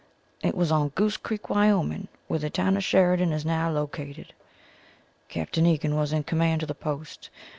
It was on Goose Creek, Wyoming, where the town of Sheridan is now located. Capt. Egan was in command of the Post.